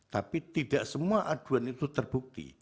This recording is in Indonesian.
tapi tidak semua aduan itu terbukti